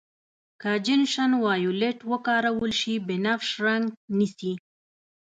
که جنشن وایولېټ وکارول شي بنفش رنګ نیسي.